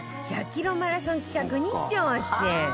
キロマラソン企画に挑戦